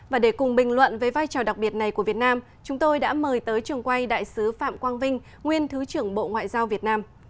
và để cùng bình luận với vai trò đặc biệt này của việt nam chúng tôi đã mời tới trường quay đại sứ phạm quang vinh nguyên thứ trưởng bộ ngoại giao việt nam